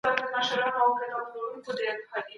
قرانکریم د مال د ثبوت په اړه حکم کوي.